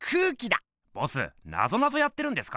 ボスなぞなぞやってるんですか？